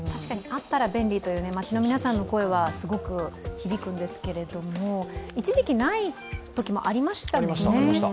あったら便利という街の皆さんの声はすごく響くんですけれども、一時期ないときもありましたもんね。